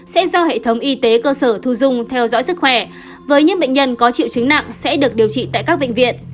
sẽ do hệ thống y tế cơ sở thu dung theo dõi sức khỏe với những bệnh nhân có triệu chứng nặng sẽ được điều trị tại các bệnh viện